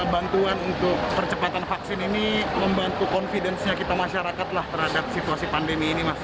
bantuan untuk percepatan vaksin ini membantu confidence nya kita masyarakat lah terhadap situasi pandemi ini mas